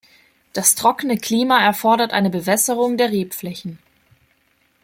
Das trockene Klima erfordert eine Bewässerung der Rebflächen.